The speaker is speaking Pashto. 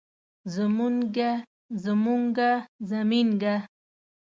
زمونږه زمونګه زمينګه